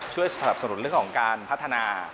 ช่วยสนับสนุนเรื่องของการพัฒนา